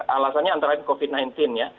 alasannya antara lain covid sembilan belas ya